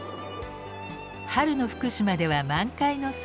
春の福島では満開の桜。